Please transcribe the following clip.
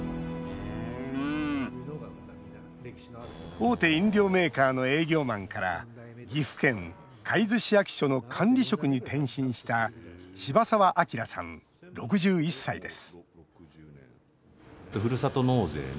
大手飲料メーカーの営業マンから岐阜県海津市役所の管理職に転身した柴澤亮さん、６１歳です